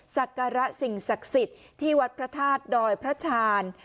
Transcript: ศักระสิ่งศักดิ์สิทธิ์ที่วัดพระธาตุดอยพระชาญ